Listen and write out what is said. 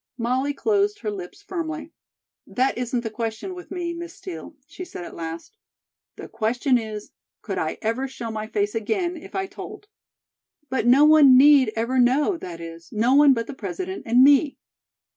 Molly closed her lips firmly. "That isn't the question with me, Miss Steel," she said at last. "The question is: could I ever show my face again if I told." "But no one need ever know, that is, no one but the President and me."